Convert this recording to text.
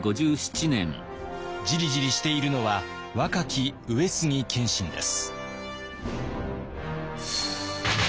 ジリジリしているのは若き上杉謙信です。